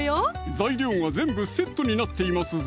材料が全部セットになっていますぞ